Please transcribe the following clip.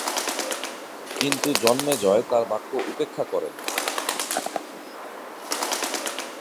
কিন্তু জন্মেজয় তার বাক্য উপেক্ষা করেন।